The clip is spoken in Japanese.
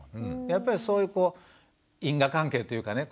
やっぱりそういう因果関係というかね